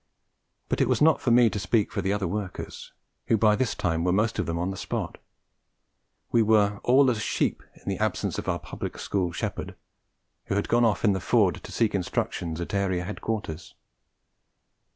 But it was not for me to speak for the other workers, who by this time were most of them on the spot; we were all as sheep in the absence of our Public School shepherd, who had gone off in the Ford to seek instructions at Area Headquarters.